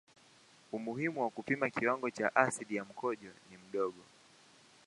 Umuhimu wa kupima kiwango cha asidi ya mkojo ni mdogo.